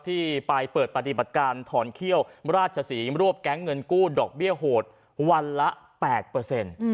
ที่ไปเปิดปฏิบัติการถอนเขี้ยวราชศรีรวบแก๊งเงินกู้ดอกเบี้ยโหดวันละ๘เปอร์เซ็นต์